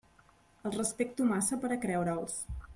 Els respecto massa per a creure'ls.